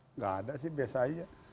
nggak ada sih biasa aja